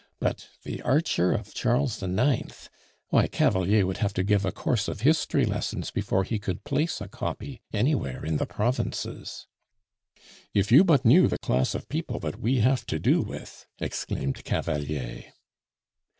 But The Archer of Charles IX.! why, Cavalier would have to give a course of history lessons before he could place a copy anywhere in the provinces." "If you but knew the class of people that we have to do with!" exclaimed Cavalier.